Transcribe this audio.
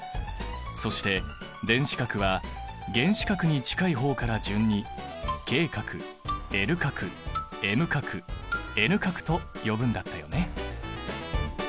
そして電子殻は原子核に近い方から順にＫ殻Ｌ殻Ｍ殻Ｎ殻と呼ぶんだったよね。